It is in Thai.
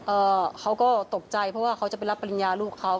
เขาก็ตกใจเพราะว่าเขาจะไปรับปริญญาลูกเขา